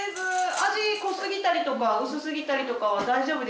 味濃すぎたりとか薄すぎたりとかは大丈夫ですか？